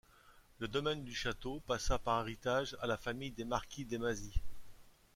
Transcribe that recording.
Le domaine du château passa par héritage à la famille des marquis Des Mazis'.